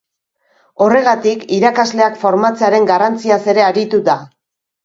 Horregatik, irakasleak formatzearen garrantziaz ere aritu da.